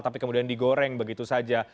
tapi kemudian digoreng begitu saja